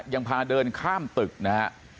ยังพาเดินข้ามตึกนะฮะ